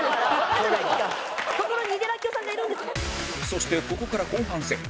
そしてここから後半戦